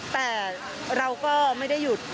แต่เราก็ไม่ได้หยุด